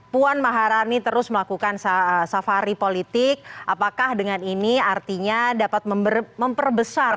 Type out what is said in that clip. puan maharani terus melakukan safari politik apakah dengan ini artinya dapat memperbesar